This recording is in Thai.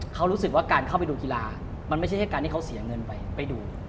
เขารู้สึกว่าการเข้าไปดูกีฬามันไม่ใช่แค่การที่เขาเสียเงินไปไปดู